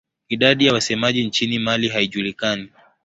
Idadi ya wasemaji nchini Mali haijulikani.